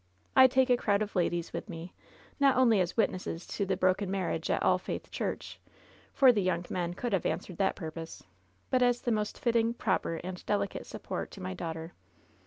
I take a crowd of ladies with me not only as witnesses to the broken marriage at All Faith Church — for the young men could have answered that purpose — ^but as the most fitting, proper and delicate support to my daughter.